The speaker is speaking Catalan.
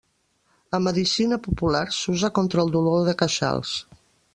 A medicina popular s'usa contra el dolor de queixals.